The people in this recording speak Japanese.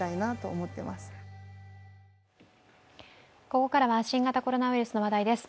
ここからは新型コロナウイルスの話題です。